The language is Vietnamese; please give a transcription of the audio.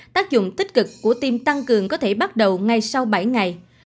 tác dụng tích cực của tim tăng cường có thể bắt đầu ngay sau bảy ngày